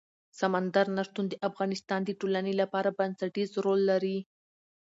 سمندر نه شتون د افغانستان د ټولنې لپاره بنسټيز رول لري.